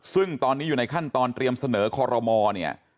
ซึ่งตอนนี้อยู่ในขั้นตอนเตรียมเสนอคอรมอเนี่ย